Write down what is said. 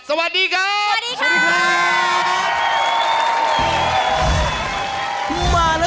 สวัสดีครับ